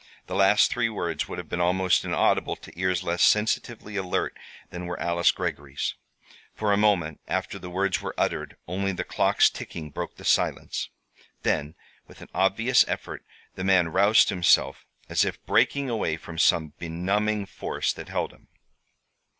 The last three words would have been almost inaudible to ears less sensitively alert than were Alice Greggory's. For a moment after the words were uttered, only the clock's ticking broke the silence; then, with an obvious effort, the man roused himself, as if breaking away from some benumbing force that held him.